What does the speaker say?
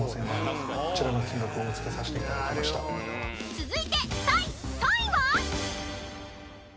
［続いて第３位は］